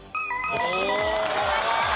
正解です。